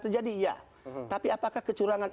terjadi iya tapi apakah kecurangan